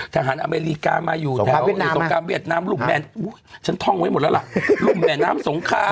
โสงคารเวียดนามไหมโสงคารเวียดนามรุมแหมนฉันท่องไว้หมดแล้วล่ะรุ่นแหมนน้ำสงคราม